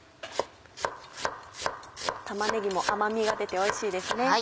玉ねぎも甘みが出ておいしいですね。